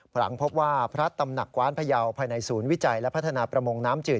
หลังพบว่าพระตำหนักกว้านพยาวภายในศูนย์วิจัยและพัฒนาประมงน้ำจืด